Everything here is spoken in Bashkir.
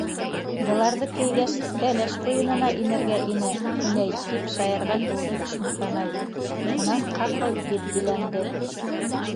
Быларҙы кейгәс, кәләш ҡуйынына инергә ине, инәй, - тип шаярған булды Ишмөхәмәт, унан ҡапыл етдиләнде.